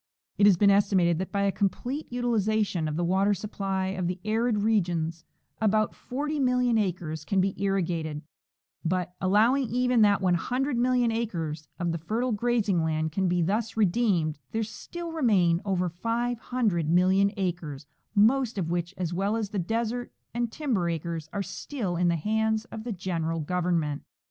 It has been estimated that by a complete utilization of the water supply of the arid regions about 40,000,000 acres can be irrigated ; but, allowing even that 100,000,000 acres of the fer tile grazing land can be thus redeemed, there still remain over 500,000,000 acres, most of which, as well as the desert and timber acres, are still in the hands of the general Government.